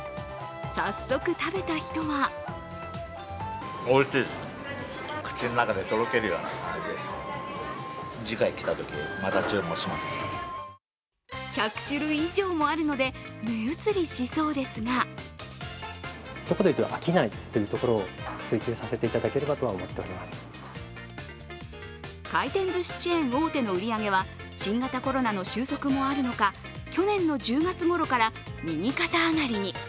早速食べた人は１００種類以上もあるので目移りしそうですが回転ずしチェーン大手の売り上げは新型コロナの収束もある中、去年の１０月ごろから、右肩上がりに。